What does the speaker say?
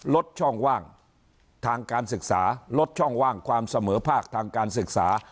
ลดช่องว่างทางการศึกษาลดช่องว่างความเสมอภาคทางการศึกษา